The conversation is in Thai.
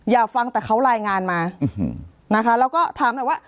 อยากฟังแต่เขารายงานมานะคะแล้วก็ถามหน่อยว่า